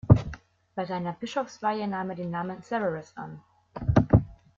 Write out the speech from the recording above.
Bei seiner Bischofsweihe nahm er den Namen Severus an.